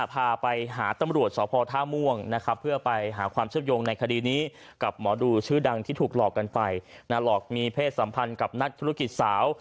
พาไปหาตำรวจสพท่าม่วงนะครับเพื่อไปหาความเชื่อมโยงในคดีนี้กับหมอดูชื่อดังที่ถูกหลอกกันไปหลอกมีเพศสัมพันธ์กับนักธุรกิจสาว